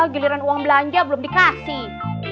giliran uang belanja belum dikasih